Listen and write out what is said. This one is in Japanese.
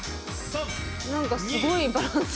何かすごいバランス。